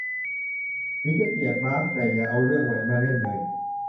ถึงจะเกลียดมาร์ค แต่อย่าเอาเรื่องแหวนมาเล่นเลย